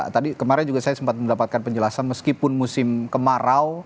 tadi kemarin juga saya sempat mendapatkan penjelasan meskipun musim kemarau